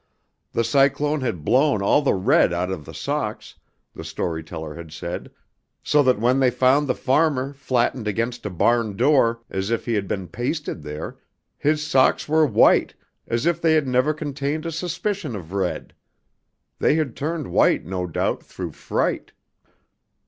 The cyclone had blown all the red out of the socks, the story teller had said, so that when they found the farmer flattened against a barn door as if he had been pasted there, his socks were white as if they had never contained a suspicion of red. They had turned white, no doubt, through fright.